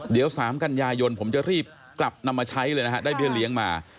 เดี๋ยว๓กันยายนผมจะรีบกลับนำมาใช้เลยนะฮะได้เบี้ยเลี้ยงมา